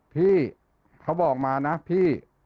พี่เขาบอกมานะพี่